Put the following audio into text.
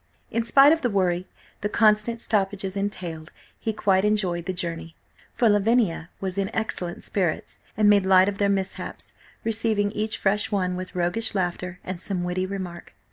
In spite of the worry the constant stoppages entailed, he quite enjoyed the journey, for Lavinia was in excellent spirits, and made light of their mishaps, receiving each fresh one with roguish laughter and some witty remark.